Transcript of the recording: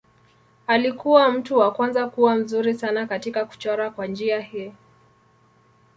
Alikuwa mtu wa kwanza kuwa mzuri sana katika kuchora kwa njia hii.